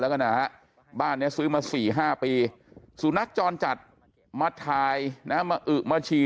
แล้วก็นะบ้านนี้ซื้อมาสี่ห้าปีสู่นักจรจัดมาทายมาฉี่